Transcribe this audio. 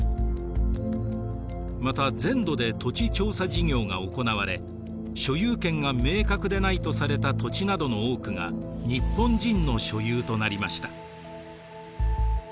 また全土で土地調査事業が行われ所有権が明確でないとされた土地などの多くが日本人の所有となりました。